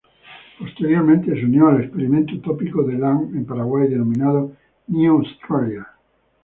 Posteriormente se unió al experimento utópico de Lane en Paraguay denominado "New Australia".